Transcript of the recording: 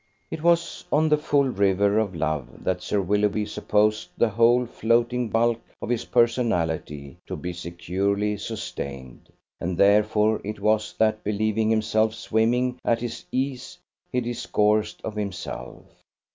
It was on the full river of love that Sir Willoughby supposed the whole floating bulk of his personality to be securely sustained; and therefore it was that, believing himself swimming at his ease, he discoursed of himself.